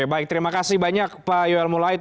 baik terima kasih banyak pak yoel mulaid